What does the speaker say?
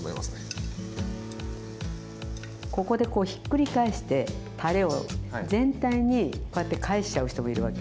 ここでこうひっくり返してたれを全体にこうやって返しちゃう人もいるわけ。